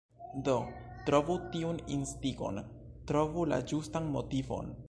Do, trovu tiun instigon, Trovu la ĝustan motivon.